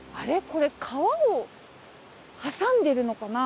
これ川を挟んでるのかな？